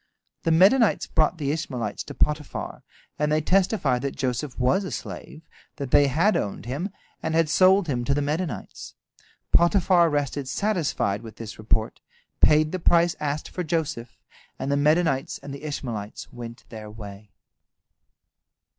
The Medanites brought the Ishmaelites to Potiphar, and they testified that Joseph was a slave, that they had owned him, and had sold him to the Medanites. Potiphar rested satisfied with this report, paid the price asked for Joseph, and the Medanites and the Ishmaelites went their way.